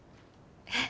えっ。